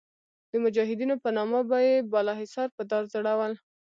د مجاهدینو په نامه به یې بالاحصار په دار ځړول.